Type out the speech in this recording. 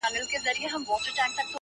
امیر نه سوای اورېدلای تش عرضونه.!